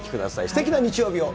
すてきな日曜日を。